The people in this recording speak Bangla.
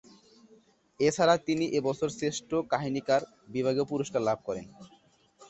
এছাড়া তিনি এই বছর শ্রেষ্ঠ কাহিনীকার বিভাগেও পুরস্কার লাভ করেন।